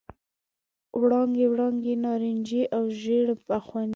وړانګې، وړانګې نارنجي او ژړ بخونې،